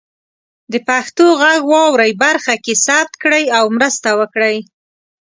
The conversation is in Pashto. د پښتو غږ واورئ برخه کې ثبت کړئ او مرسته وکړئ.